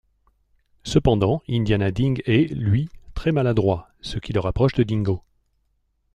Cependant Indiana Ding est, lui, très maladroit, ce qui le rapproche de Dingo.